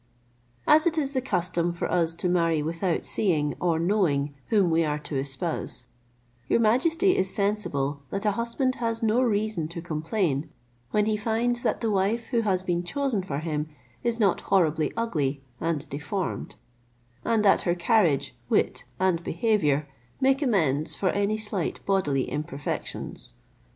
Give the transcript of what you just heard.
As it is the custom for us to marry without seeing or knowing whom we are to espouse, your majesty is sensible that a husband has no reason to complain, when he finds that the wife who has been chosen for him is not horribly ugly and deformed, and that her carriage, wit, and behaviour make amends for any slight bodily imperfections.